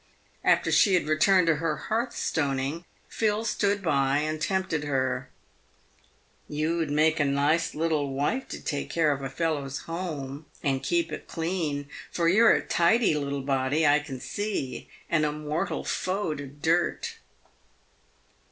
After she had returned to her hearth stoning, Phil stood by and tempted her :" You'd make a nice little wife to take care of a fellow's home, and keep it clean, for you're a tidy little body, I can see, and a mortal foe to dirt."